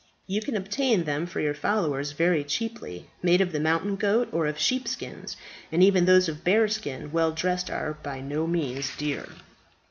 You can obtain them for your followers very cheaply, made of the mountain goat or of sheepskins, and even those of bearskin well dressed are by no means dear."